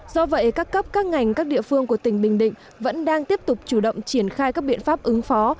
do vậy các cấp các ngành các địa phương của tỉnh bình định vẫn đang tiếp tục chủ động triển khai các biện pháp ứng phó